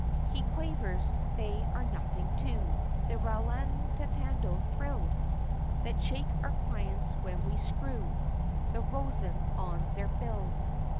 His quavers, they are nothing to The rallantando thrills, That shake our clients, when we screw The rosin on their bills.